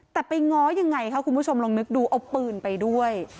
แต่ไปง้อยังไงคะคุณผู้ชมลองนึกดูเอาปืนไปด้วย